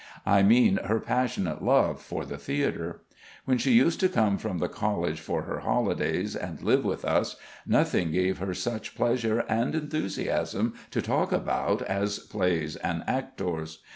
I mean her passionate love for the theatre. When she used to come from the College for her holidays and live with us, nothing gave her such pleasure and enthusiasm to talk about as plays and actors.